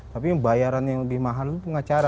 tapi bayaran yang lebih mahal itu pengacara